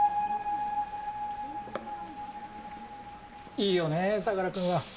いいよね相良君は。